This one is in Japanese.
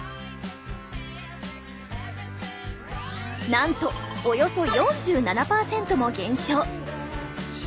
なんとおよそ４７％も減少！